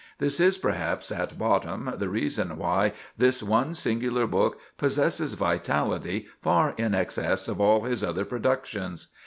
This is perhaps at bottom the reason why this one singular book possesses vitality far in excess of all his other productions.